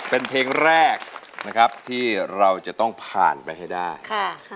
เพื่อนแรกนะครับที่เราจะต้องผ่านไปให้ได้